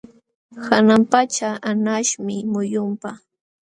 Hanan pacha anqaśhmi muyunpa.